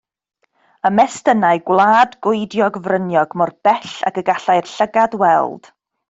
Ymestynnai gwlad goediog fryniog mor bell ag y gallai'r llygad weld.